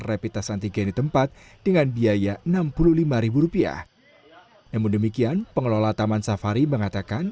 repitas antigen di tempat dengan biaya rp enam puluh lima yang demikian pengelola taman safari mengatakan